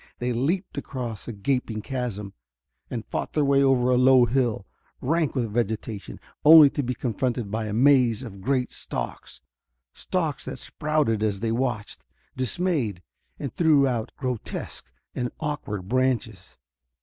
They leaped across a gaping chasm and fought their way over a low hill, rank with vegetation, only to be confronted by a maze of great stalks stalks that sprouted as they watched, dismayed, and threw out grotesque and awkward branches.